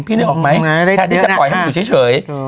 นึกออกไหมแทนที่จะปล่อยให้มันอยู่เฉย